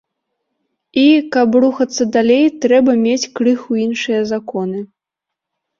І, каб рухацца далей, трэба мець крыху іншыя законы.